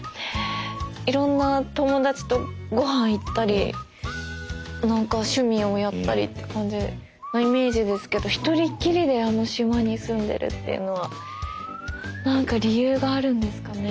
いろんな友達とごはん行ったり何か趣味をやったりって感じのイメージですけど１人っきりであの島に住んでるっていうのは何か理由があるんですかね？